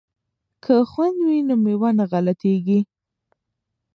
که خوند وي نو مېوه نه غلطیږي.